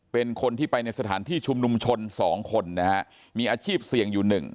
เป็นคนที่ไปในสถานที่ชุมนุมชน๒คนนะฮะมีอาชีพเสี่ยงอยู่๑